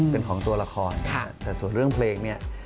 เป็นของตัวละครแต่ส่วนเรื่องเพลงเนี่ย